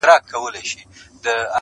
انسان وجدان سره ژوند کوي تل,